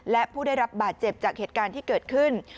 และผู้ได้รับบาดเจ็บจากเหตุการณ์ที่เกิดขึ้น